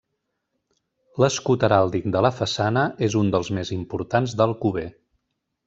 L'escut heràldic de la façana és un dels més importants d'Alcover.